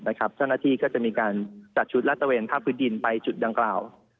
เจ้านาธิก็จะมีการจัดชุดรัตเวณรถถือดินไปจุดดังกล่าว